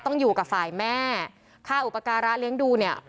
ต้องอยู่กับฝ่ายแม่ค่าอุปการะเลี้ยงดูเนี่ย